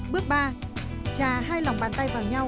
bước bốn trà mặt ngoài các ngón tay này và lòng bàn tay kia và ngược lại